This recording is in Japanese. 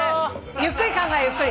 ゆっくり考えようゆっくり。